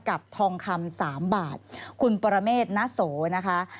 กับทองคำ๓บาทคุณประเมษน่าโสนะคะ